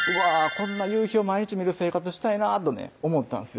こんな夕日を毎日見る生活したいなぁとね思ったんすよ